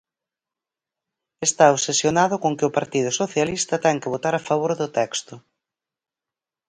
Está obsesionado con que o Partido Socialista ten que votar a favor do texto.